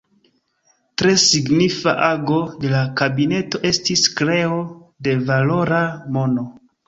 Tre signifa ago de la kabineto estis kreo de valora mono.